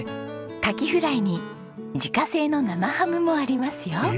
カキフライに自家製の生ハムもありますよ。